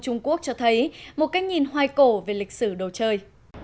trung quốc cho thấy một cách nhìn hoài cổ về lịch sử đồ chơi